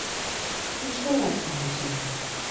Die Steuerzeichen